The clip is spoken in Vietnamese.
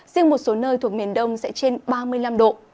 riêng một số nơi thuộc miền đông sẽ trên ba mươi năm độ